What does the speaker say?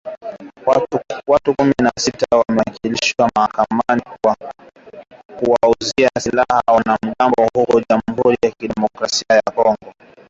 Watu kumi na sita wamefikishwa mahakamani kwa kuwauzia silaha wanamgambo huko Jamhuri ya kidemokrasia ya Kongo.